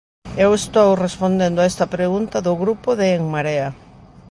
Eu estou respondendo a esta pregunta do Grupo de En Marea.